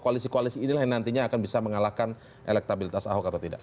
koalisi koalisi inilah yang nantinya akan bisa mengalahkan elektabilitas ahok atau tidak